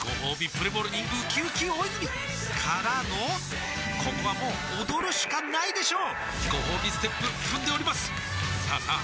プレモルにうきうき大泉からのここはもう踊るしかないでしょうごほうびステップ踏んでおりますさあさあ